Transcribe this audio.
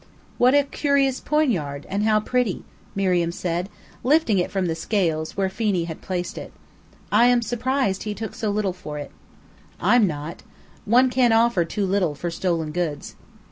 "What a curious poignard, and how pretty!" Miriam said, lifting it from the scales, where Phenee had placed it. "I am surprised he took so little for it." "I'm not. One can't offer too little for stolen goods."